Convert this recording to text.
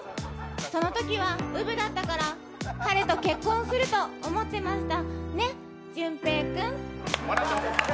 そのときはうぶだったから彼と結婚すると思ってました。